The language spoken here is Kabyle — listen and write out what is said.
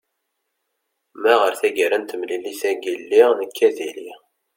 ma ɣer tagara n temlilit-agi lliɣ nekk ad iliɣ